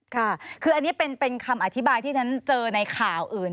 ค่ะคืออันนี้เป็นคำอธิบายที่ฉันเจอในข่าวอื่น